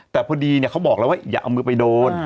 แต่พอดีเขาบอกแล้วว่าอย่าเอามือไปโดน